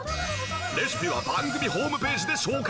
レシピは番組ホームページで紹介。